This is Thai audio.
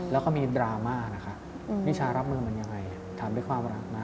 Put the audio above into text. แล้วก็มีดราม่านะคะนิชารับมือมันยังไงถามด้วยความรักไหม